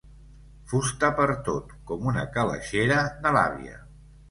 Fusta pertot, com una calaixera de l'àvia.